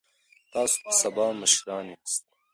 تاسو د سبا مشران یاست.